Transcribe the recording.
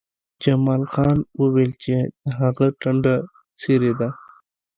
جمال خان وویل چې د هغه ټنډه څیرې ده